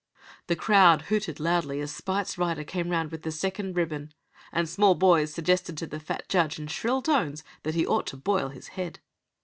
The crowd hooted loudly as Spite's rider came round with the second ribbon, and small boys suggested to the fat judge in shrill tones that he ought to boil his head.